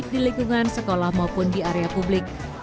di lingkungan sekolah maupun di area publik